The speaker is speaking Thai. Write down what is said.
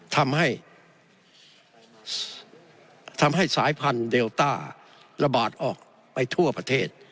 ทำให้ทำให้สายพันธุ์เดลต้าระบาดออกไปทั่วประเทศ